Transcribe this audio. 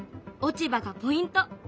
落ち葉がポイント！